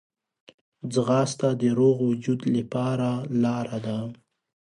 ځغاسته د روغ وجود لپاره لاره ده